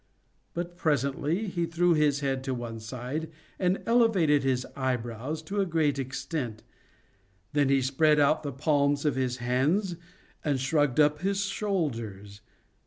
But presently he threw his head to one side, and elevated his eyebrows to a great extent. Then he spread out the palms of his hands and shrugged up his shoulders.